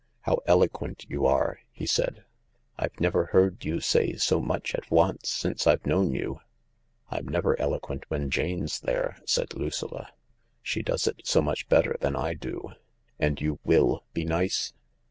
" How eloquent you are!" he said. " I've never heard you say so much at once since I've known you/' " I'm never eloquent when Jane's there," said Lucilla — "she does it so much better than I do; and you will be nice